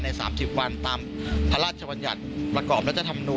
ในสามสิบวันตามพระราชชะวัญหยัดประกอบรัฐธรรมนูล